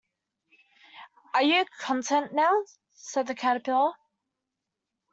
‘Are you content now?’ said the Caterpillar.